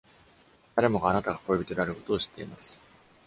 誰もがあなたが恋人であることを知っています。